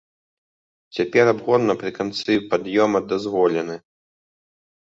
Цяпер абгон напрыканцы пад'ёма дазволены.